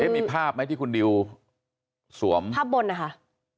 มีภาพไหมที่คุณดิวสวมภาพบนนะคะ